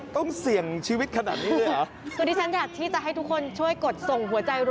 ต้องเสี่ยงชีวิตขนาดนี้เลยเหรอคือที่ฉันจะที่จะให้ทุกคนช่วยกดส่งหัวใจ